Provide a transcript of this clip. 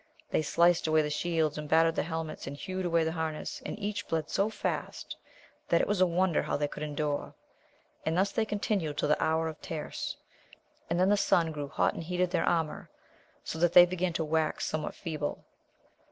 They sliced away the shields, and battered the helmets, and hewed away the harness, and each bled so fast, that it was a won der how they could endure, and thus they continued tiU the hour* of tierce ; and then the sun grew hot and heated their armour, so that they began to wax somewhat feeble.